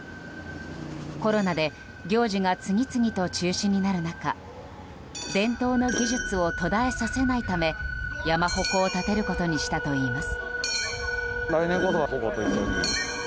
コロナで行事が次々と中止になる中伝統の技術を途絶えさせないため山鉾を建てることにしたといいます。